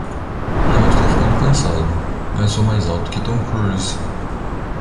Não estou ficando cansado, mas sou mais alto que Tom Cruise!